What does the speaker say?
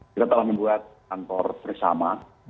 kita telah membuat kantor bersama